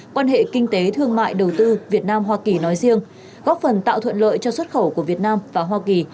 quan hệ kinh tế thương mại đầu tư việt nam hoa kỳ nói riêng góp phần tạo thuận lợi cho xuất khẩu của việt nam và hoa kỳ